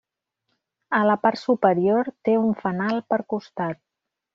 A la part superior té un fanal per costat.